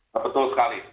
ya betul sekali